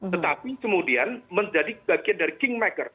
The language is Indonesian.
tetapi kemudian menjadi bagian dari king maker